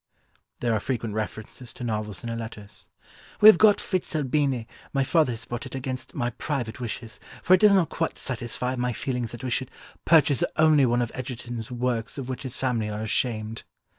There are frequent references to novels in her letters: "We have got Fitz Albini, my father has bought it against my private wishes, for it does not quite satisfy my feelings that we should purchase the only one of Egerton's works of which his family are ashamed."